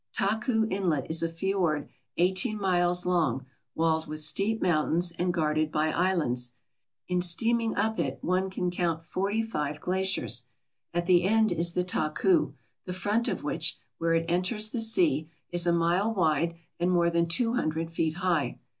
Taku Inlet is a fiord eighteen miles long walled with steep mountains and guarded by islands. In steaming up it one can count forty five glaciers. At the end is the Taku, the front of which, where it enters the sea, is a mile wide and more than two hundred feet high.